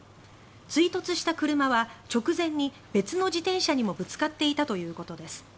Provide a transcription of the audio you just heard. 追突した車は直前に別の自転車にもぶつかっていたということです。